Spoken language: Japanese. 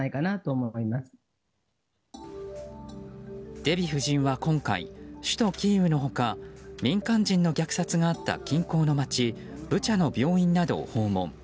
デヴィ夫人は今回首都キーウの他民間人の虐殺があった近郊の街ブチャの病院などを訪問。